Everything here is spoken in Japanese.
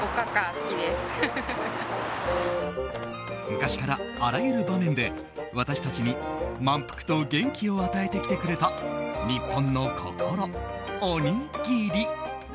昔から、あらゆる場面で私たちに満腹と元気を与えてきてくれた日本の心、おにぎり。